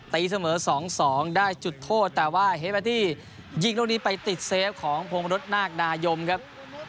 ตีเสมอสองสองได้จุดโทษแต่ว่าเฮดแบตตี้ยิงตรงนี้ไปติดเซฟของพงประดดนาคนายมครับ